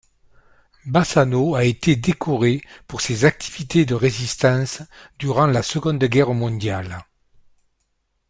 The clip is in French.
Bassano a été décorée pour ses activités de résistance durant la Seconde Guerre mondiale.